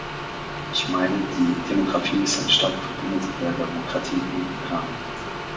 Ich meine, die Demografie ist ein starker Verbündeter der Demokratie im Iran.